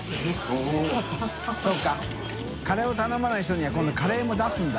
修Δカレーを頼まない人には海カレーも出すんだ。